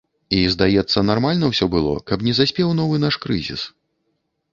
І, здаецца, нармальна ўсё было, каб не заспеў новы наш крызіс.